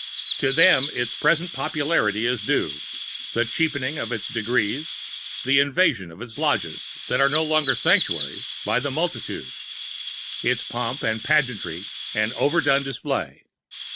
To them its present popularity is due, the cheapening of its Degrees, the invasion of its Lodges, that are no longer Sanctuaries, by the multitude; its pomp and pageantry and overdone display.